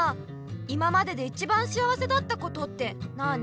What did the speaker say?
今までで一番幸せだったことってなあに？